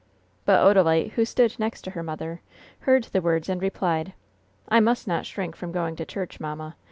But Odalite, who stood next to her mother, heard the words, and replied: "I must not shrink from going to church, mamma.